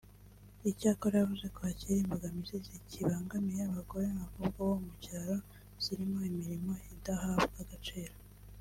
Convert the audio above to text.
Icyakora yavuze ko hakiri imbogamizi zikibangamiye abagore n’abakobwa bo mu cyaro zirimo; imirimo idahabwa agaciro